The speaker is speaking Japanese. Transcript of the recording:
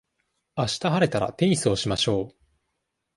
あした晴れたら、テニスをしましょう。